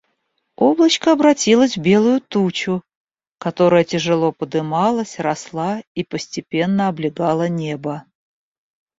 Облачко обратилось в белую тучу, которая тяжело подымалась, росла и постепенно облегала небо.